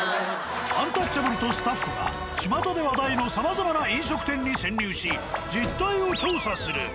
アンタッチャブルとスタッフがちまたで話題のさまざまな飲食店に潜入し実態を調査する。